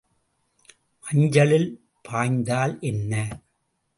மஞ்சளில் பாய்ந்தால் என்ன?